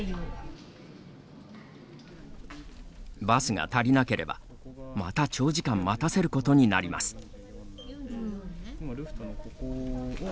バスが足りなければまた長時間待たせることになります。